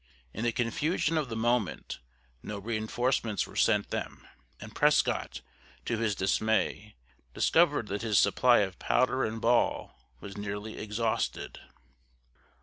In the confusion of the moment, no reinforcements were sent them, and Prescott, to his dismay, discovered that his supply of powder and ball was nearly exhausted.